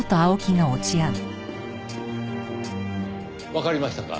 わかりましたか？